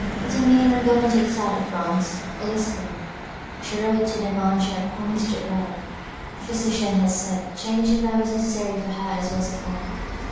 Determined on going to the South of France, or Lisbon; she wrote to the man she had promised to obey. The physicians had said change of air was necessary for her as well as her friend.